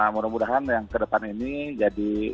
mudah mudahan yang kedepan ini